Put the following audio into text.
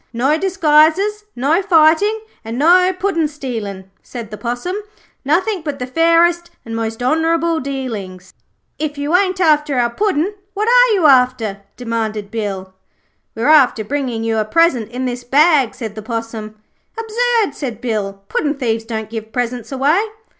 'No disguises, no fighting, and no puddin' stealing,' said the Possum. 'Nothing but the fairest and most honourable dealings.' 'If you ain't after our Puddin', what are you after?' demanded Bill. 'We're after bringing you a present in this bag,' said the Possum. 'Absurd,' said Bill. 'Puddin' thieves don't give presents away.'